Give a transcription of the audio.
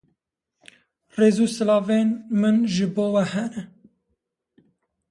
Rêz û silavên min ji bo we hene